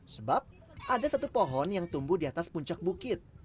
sebab ada satu pohon yang tumbuh di atas puncak bukit